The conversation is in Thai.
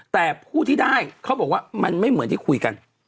แต่ผู้ที่ได้เขาบอกว่ามันไม่เหมือนที่คุยกัน